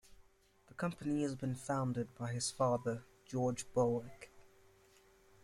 The company had been founded by his father George Borwick.